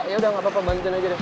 yaudah gak apa apa bantuin aja